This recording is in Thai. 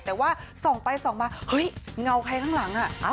แต่ว่าส่องไปส่องมาเฮ้ยเงาใครข้างหลังอ่ะ